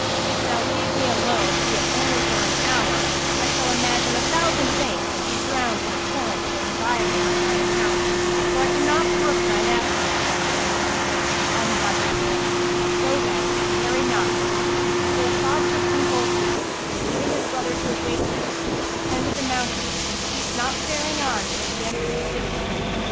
If thou leave me alone, be it only for an hour, I shall imagine a thousand things and be drowned in a torrent of anxiety on shine account, for I cannot brook shine absence from me." Amjad rejoined, "Go then and tarry not. So As'ad took some gold pieces, and leaving his brother to await him, descended the mountain and ceased not faring on till he entered the city.